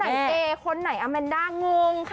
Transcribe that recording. คนไหนเอคนไหนอเมนด้างงค่ะนี่ดูสิ